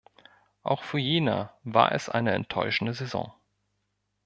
Auch für Jena war es eine enttäuschende Saison.